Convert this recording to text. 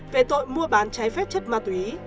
về tội mua bán trái phép chất ma túy